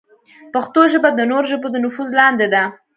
پښتو ژبه د نورو ژبو د نفوذ لاندې ده.